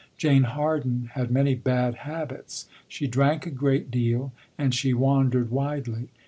Jane Harden had many bad habits. She drank a great deal, and she wandered widely.